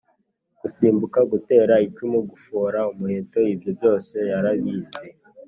gusimbuka, gutera icumu, gufora umuheto ibyo byose yarabizi